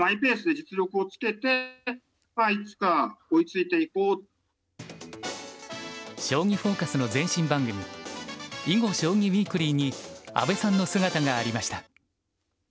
実際にこう「将棋フォーカス」の前身番組「囲碁・将棋ウィークリー」に阿部さんの姿がありました。